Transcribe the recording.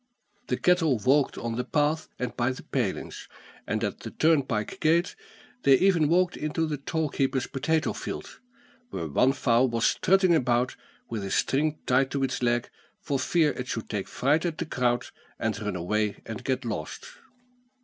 The cattle walked on the path and by the palings, and at the turnpike gate they even walked into the toll keeper's potato field, where one fowl was strutting about with a string tied to its leg, for fear it should take fright at the crowd, and run away and get lost.